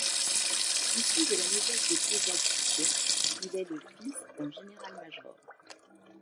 Issu de la noblesse des Cosaques du Don il est le fils d'un général-major.